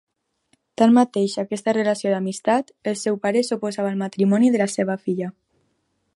Tanmateix aquesta relació d'amistat, el seu pare s'oposava al matrimoni de la seva filla.